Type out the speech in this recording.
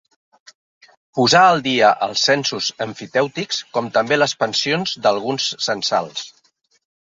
Posà al dia els censos emfitèutics, com també les pensions d’alguns censals.